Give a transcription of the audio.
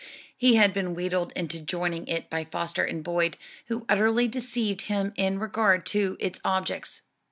He had been wheedled into joining it by Foster and Boyd, who utterly deceived him in regard to its objects.